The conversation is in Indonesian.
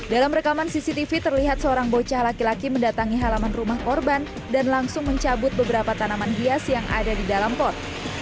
dalam rekaman cctv terlihat seorang bocah laki laki mendatangi halaman rumah korban dan langsung mencabut beberapa tanaman hias yang ada di dalam pot